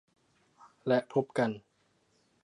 และพบกัน